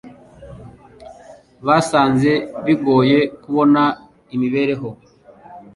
Basanze bigoye kubona imibereho.